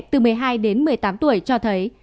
từ một mươi hai đến một mươi tám tuổi cho thấy